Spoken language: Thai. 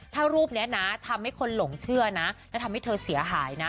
ถ้ารูปนี้นะทำให้คนหลงเชื่อนะแล้วทำให้เธอเสียหายนะ